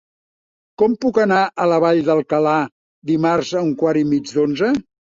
Com puc anar a la Vall d'Alcalà dimarts a un quart i mig d'onze?